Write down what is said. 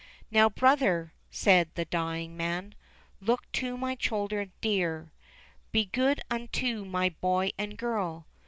"Now, brother," said the dying man, " Look to my children dear ; Be good unto my boy and girl.